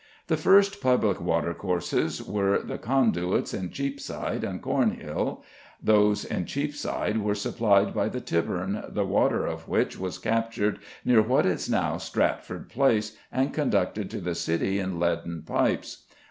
The first public waterworks were the Conduits in Cheapside and Cornhill. Those in Cheapside were supplied by the Tybourne, the water of which was captured near what is now Stratford Place, and conducted to the City in leaden pipes.